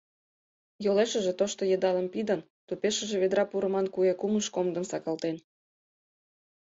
Йолешыже тошто йыдалым пидын, тупешыже ведра пурыман куэ кумыж комдым сакалтен.